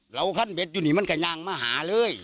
ขั้นเด็ดอยู่นี่มันก็ยังมาหาเลย